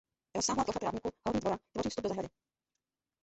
Rozsáhlá plocha trávníku horní dvora tvoří vstup do zahrady.